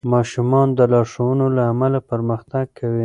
ماشومان د لارښوونو له امله پرمختګ کوي.